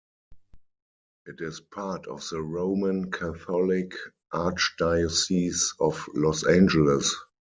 It is part of the Roman Catholic Archdiocese of Los Angeles.